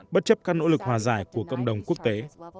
bất chấp các nỗ lực hòa giải của cộng đồng quốc tế